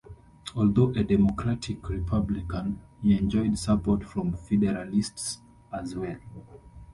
Although a Democratic-Republican, he enjoyed support from the Federalists as well.